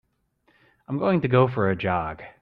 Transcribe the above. I'm going to go for a jog.